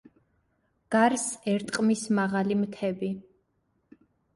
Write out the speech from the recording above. გარს ერტყმის მაღალი მთები.